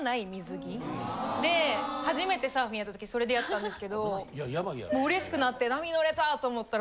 で初めてサーフィンやった時それでやったんですけどうれしくなって波乗れた！と思ったら。